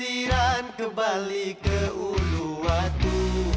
pelesiran kembali ke ulu waktu